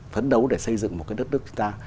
phấn đấu để xây dựng một cái đất nước chúng ta